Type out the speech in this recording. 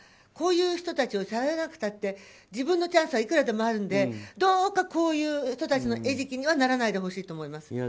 こういう人たちを使わなくったって自分のチャンスはいくらでもあるのでどうか、こういう人たちの餌食にはならないでほしいと思います。